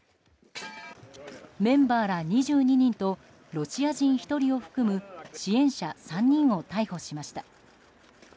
メンバーら２２人とロシア人１人を含む支援者３人を逮捕しました。